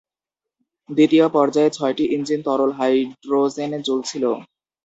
দ্বিতীয় পর্যায়ে ছয়টি ইঞ্জিন তরল হাইড্রোজেনে জ্বলছিল।